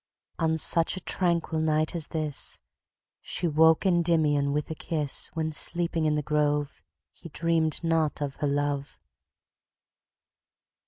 On such a tranquil night as this, She woke Endymion with a kiss, When, sleeping in the grove, He dreamed not of her love.